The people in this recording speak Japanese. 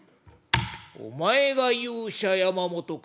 「お前が勇者山本か」。